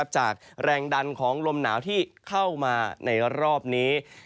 จากแรงดันของลมหนาวที่เข้ามาในรอบนี้